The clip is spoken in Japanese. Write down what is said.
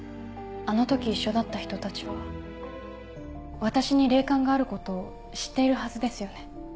あの時一緒だった人たちは私に霊感があることを知っているはずですよね？